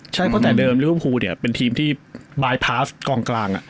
ใช่เพราะแต่เดิมรุ่นครูเนี่ยเป็นทีมที่บายพาสกองกลาง